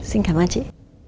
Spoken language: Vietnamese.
xin cảm ơn chị